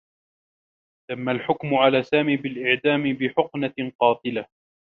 تمّ الحكم على سامي بالإعدام بحقنة قاتلة.